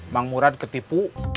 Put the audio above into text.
mang murad ketipu